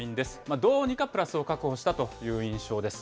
どうにかプラスを確保したという印象です。